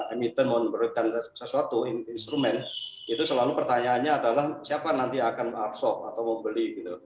emiten memberikan sesuatu instrumen itu selalu pertanyaannya adalah siapa nanti akan absorb atau membeli